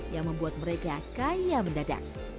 yang membuat mereka kaya mendadak